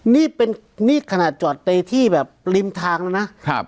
นี่เป็นนี่ขนาดจอดในที่แบบริมทางแล้วนะ